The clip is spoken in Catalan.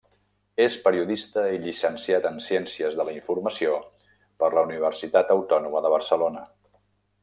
És periodista i llicenciat en Ciències de la Informació per la Universitat Autònoma de Barcelona.